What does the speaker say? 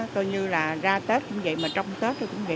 coi như là ra tết cũng vậy mà trong tết tôi cũng vậy